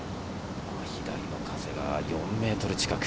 左の風が４メートル近く。